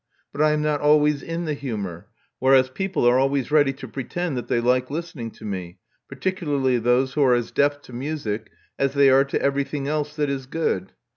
But I am not always in the humor, whereas people are always ready to pretend that they like listening to me, particularly those who are as deaf to music as they are to every thing else that is good.